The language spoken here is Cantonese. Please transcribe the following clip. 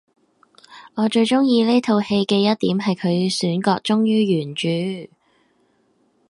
我最鍾意呢套戲嘅一點係佢選角忠於原著